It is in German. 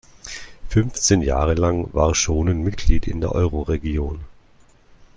Fünfzehn Jahre lang war Schonen Mitglied in der Euroregion.